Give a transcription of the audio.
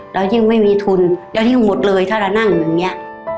เรายิ่งไม่มีทุนแล้วยิ่งหมดเลยถ้าเรานั่งอย่างนี้